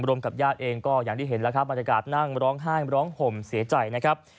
กับญาติเองก็อย่างที่เห็นแล้วครับบรรยากาศนั่งร้องไห้ร้องห่มเสียใจนะครับ